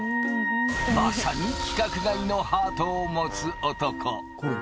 まさに規格外のハートを持つ男。